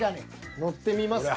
乗ってみますか？